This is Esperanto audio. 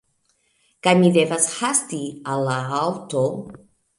Kaj mi devas hasti al la aŭto